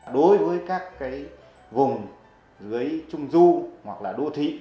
đối với các cái vùng dưới trung du hoặc là đô thị